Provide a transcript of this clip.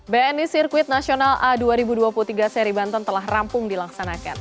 bni sirkuit nasional a dua ribu dua puluh tiga seri banten telah rampung dilaksanakan